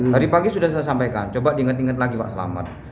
tadi pagi sudah saya sampaikan coba diingat ingat lagi pak selamat